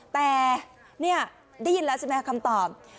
แต่นี่ได้ยินแล้วใช่ไหมคำตอบ